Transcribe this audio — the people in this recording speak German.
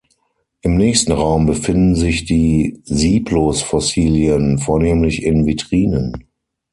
Im nächsten Raum befinden sich die Sieblos-Fossilien, vornehmlich in Vitrinen.